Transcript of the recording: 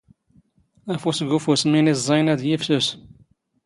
ⴰⴼⵓⵙ ⴳ ⵓⴼⵓⵙ ⵎⵉⵏ ⵉⵥⵥⴰⵢⵏ ⴰⴷ ⵢⵉⴼⵙⵓⵙ.